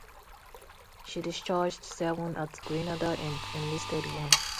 She discharged seven at Grenada and enlisted one.